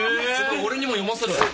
俺にも読ませろよ。